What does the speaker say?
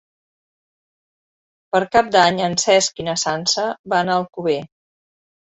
Per Cap d'Any en Cesc i na Sança van a Alcover.